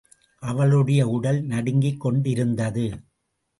அவளுடைய உடல் நடுங்கிக் கொண்டிருந்தது.